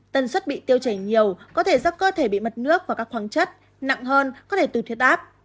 tân suất bị tiêu chảy nhiều có thể do cơ thể bị mất nước và các khoáng chất nặng hơn có thể từ thiệt áp